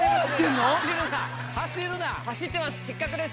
⁉走ってます